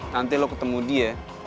nanti lo ketemu dia